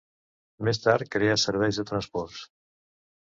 Més tard creà Serveis de Transports.